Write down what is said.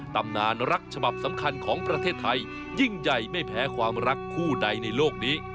ตำนานรักฉบับสำคัญของประเทศไทยยิ่งใหญ่ไม่แพ้ความรักคู่ใดในโลกนี้